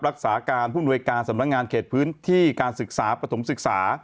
รักษาการผู้มนวยการสำนักงานเขตพื้นที่การศึกษาปฐมศึกษา